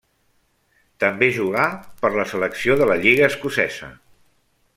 També jugà per la selecció de la lliga escocesa.